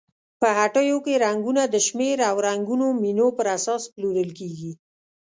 په هټیو کې رنګونه د شمېر او رنګونو مینو پر اساس پلورل کیږي.